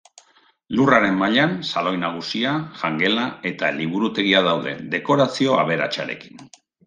Lurraren mailan, saloi nagusia, jangela eta liburutegia daude, dekorazio aberatsarekin.